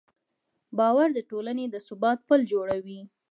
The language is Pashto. باور د ټولنې د ثبات پل جوړوي.